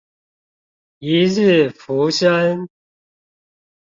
一日浮生